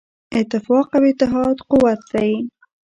اتفاق او اتحاد قوت دی.